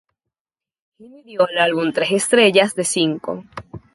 Heaney dio al álbum tres estrellas de cinco.